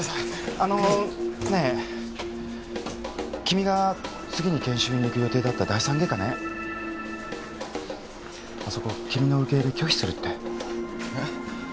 あのねえ君が次に研修に行く予定だった第３外科ねあそこ君の受け入れ拒否するってえッ？